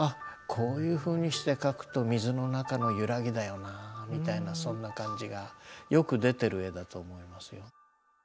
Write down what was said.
こういうふうにして描くと水の中の揺らぎだよなぁみたいなそんな感じがよく出てる絵だと思いますよ。